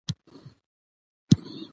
کتاب لوستل د تمرکز وړتیا زیاتوي